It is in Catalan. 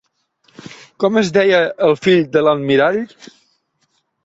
Com es deia el fill de l'almirall?